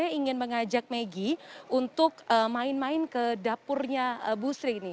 saya sedang ingin mengajak maggie untuk main main ke dapurnya busri ini